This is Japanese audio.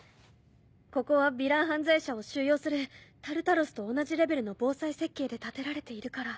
ここはヴィラン犯罪者を収容するタルタロスと同じレベルの防災設計で建てられているから。